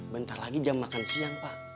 bentar lagi jam makan siang pak